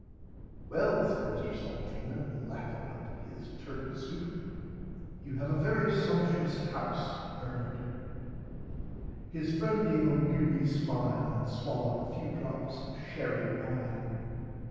Well said Mr Salteena lapping up his [Pg 37] turtle soup you have a very sumpshous house Bernard. His friend gave a weary smile and swollowed a few drops of sherry wine.